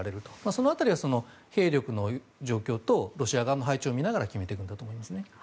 その辺りは兵力の状況とロシア側の配置を見て決めると思います。